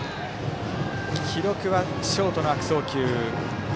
記録はショートの悪送球。